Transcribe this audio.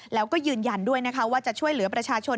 แล้วก็ยืนยันด้วยนะคะว่าจะช่วยเหลือประชาชน